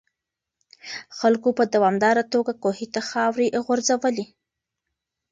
خلکو په دوامداره توګه کوهي ته خاورې غورځولې.